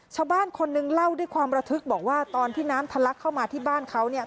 ชาวบ้านคนหนึ่งเล่าด้วยความระทึกบอกว่าตอนที่น้ำทะลักเข้ามาที่บ้านเขาเนี่ย